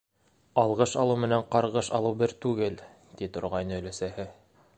«Алғыш алыу менән ҡарғыш алыу бер түгел», - ти торғайны өләсәһе.